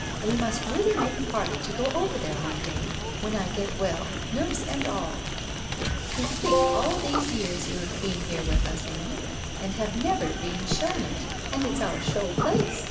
We must really make a party to go over there one day — when I get well, nurse and all ! To think all these years you have been here with us, Amy, you have never been shown it and it's our show place